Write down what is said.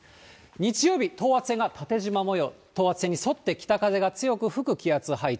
日曜日、等圧線が縦じま模様、等圧線に沿って北風が強く吹く気圧配置。